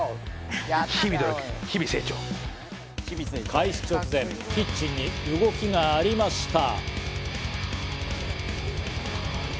開始直前、キッチンに動きがありました。